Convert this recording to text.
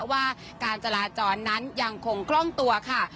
ว่าการจราจรนั้นยังคงคล่องตัวค่ะ